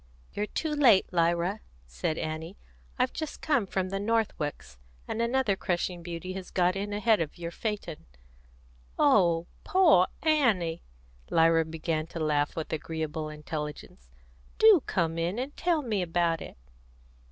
"You're too late, Lyra," said Annie. "I've just come from the Northwicks, and another crushing beauty has got in ahead of your phaeton." "Oh, poor Annie!" Lyra began to laugh with agreeable intelligence. "Do come in and tell me about it!"